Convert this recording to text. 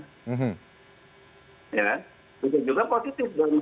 buzzer atau influencer ini bisa juga positif bisa juga negatif kan